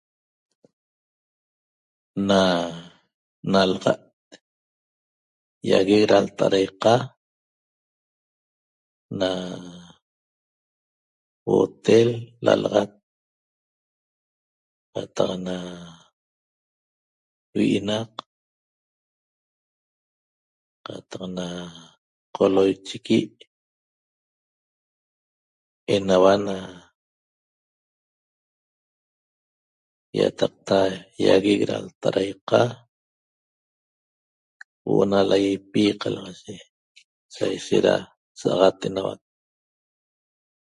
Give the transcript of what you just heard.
Na nalaxat iaguet ra lta'araiqa na huotel lalaxat qataq na vi'inaq qataq na qoloichiqui enaua na iataqta iaguec ra lta'araiqa huo'o na laipi qalaxaye saishet ra saxat enauac